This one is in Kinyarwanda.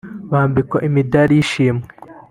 bambikwa imidari y’ishimwe